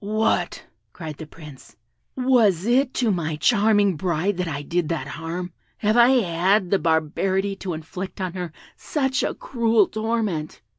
"What!" cried the Prince, "was it to my charming bride that I did that harm? Have I had the barbarity to inflict on her such a cruel torment!